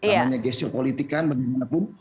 namanya gestur politik kan bagaimanapun